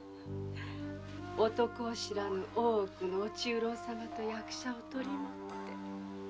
男を知らぬ大奥のお中臈様と役者を取りもって。